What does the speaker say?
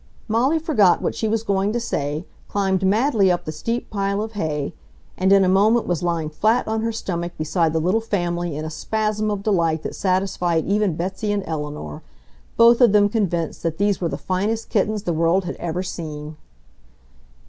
Molly forgot what she was going to say, climbed madly up the steep pile of hay, and in a moment was lying flat on her stomach beside the little family in a spasm of delight that satisfied even Betsy and Eleanor, both of them convinced that these were the finest kittens the world had ever seen.